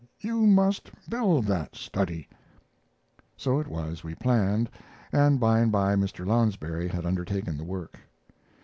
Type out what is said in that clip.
You must build that study." So it was we planned, and by and by Mr. Lounsbury had undertaken the work.